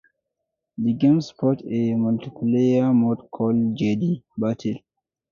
The game supports a multiplayer mode called Jedi Battle.